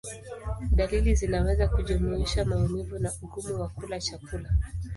Dalili zinaweza kujumuisha maumivu na ugumu wa kula chakula.